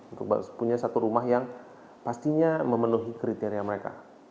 untuk punya satu rumah yang pastinya memenuhi kriteria mereka